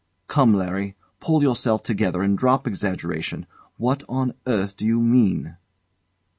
] Come, Larry! Pull yourself together and drop exaggeration! What on earth do you mean?